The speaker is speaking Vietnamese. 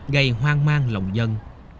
gây hoang mang lòng dân